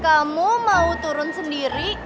kamu mau turun sendiri